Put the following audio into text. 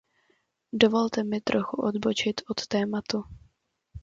Dovolte mi trochu odbočit od tématu.